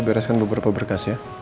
bereskan beberapa berkas ya